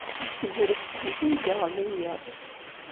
Deg tegrest, zik ay d-iɣelli yiḍ.